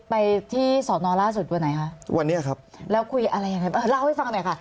ไปที่สอดนอนล่าสุดวันไหนคะแล้วคุยอะไรอย่างนี้เล่าให้ฟังหน่อยค่ะ